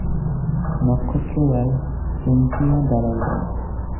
নক্ষত্ররায় চমকিয়া দাঁড়াইলেন।